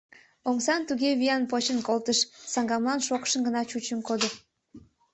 Омсам туге виян почын колтыш — саҥгамлан шокшын гына чучын кодо.